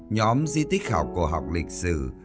nhóm di tích khảo cổ học lịch sử